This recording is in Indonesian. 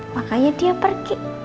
makanya dia pergi